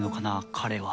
彼は。